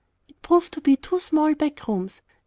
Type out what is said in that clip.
It proved to be in two small back rooms.